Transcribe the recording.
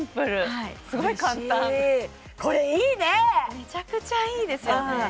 めちゃくちゃいいですよね